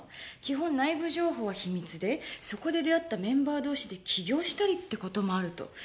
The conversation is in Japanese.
「基本内部情報は秘密でそこで出会ったメンバー同士で起業したりって事もある」と。